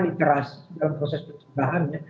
literasi dalam proses pencegahan